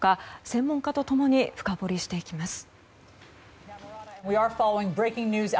専門家と共に深掘りしていきます。